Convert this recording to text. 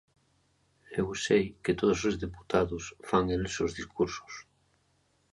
Eu sei que todos os deputados fan eles os discursos.